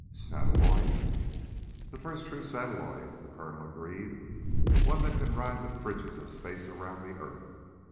"Satelloid?" "The first true satelloid," the Colonel agreed. "One that can ride the fringes of space around the earth.